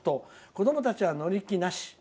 子どもたちは乗り気なし。